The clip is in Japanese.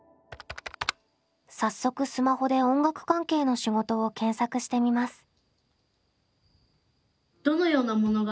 早速スマホで音楽関係の仕事を検索してみます。